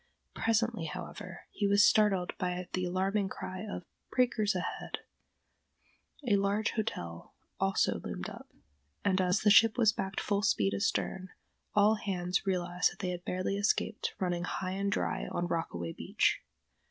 Presently, however, he was startled by the alarming cry of breakers ahead! A large hotel also loomed up, and, as the ship was backed full speed astern, all hands realized that they had barely escaped running high and dry on Rockaway Beach.